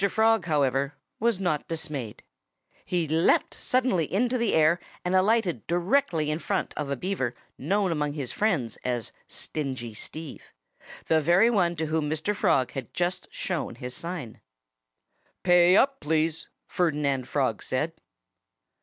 Frog, however, was not dismayed. He leaped suddenly into the air and alighted directly in front of a Beaver known among his friends as Stingy Steve the very one to whom Mr. Frog had just shown his sign. "Pay up, please!" Ferdinand Frog said.